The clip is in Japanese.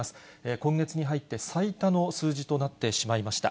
今月に入って最多の数字となってしまいました。